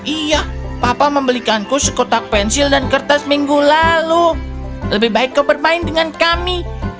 iya papa membelikanku sekotak pensil dan kertas minggu lalu lebih baik kau bermain dengan kami